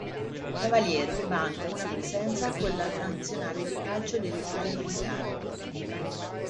Cavalieri vanta una presenza con la nazionale di calcio dell'Italia militare.